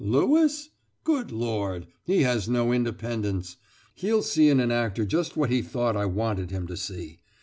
"Lewis? Good Lord! He has no independence! He'd see in an actor just what he thought I wanted him to see!